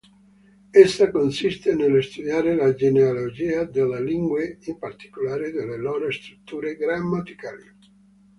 Essa consiste nello studiare la genealogia delle lingue, in particolare delle loro strutture grammaticali.